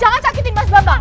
jangan cakitin mas bambang